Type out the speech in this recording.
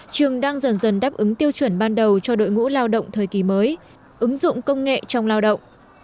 trường đang dần dần đáp ứng tiêu chuẩn ban đầu cho đội ngũ lao động thời kỳ mới ứng dụng công nghệ trong lao động